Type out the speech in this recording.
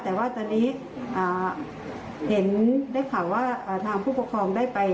แต่ว่าตอนนี้เห็นได้ข่าวว่าทางผู้ปกครองได้ไป